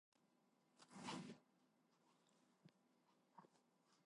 Among his notable pupils were Vicente Asencio and Celedonio Romero.